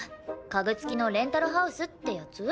家具付きのレンタルハウスってやつ？